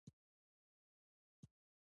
افغانستان له سمندر نه شتون ډک دی.